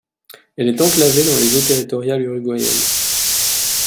Elle est enclavée dans les eaux territoriales uruguayennes.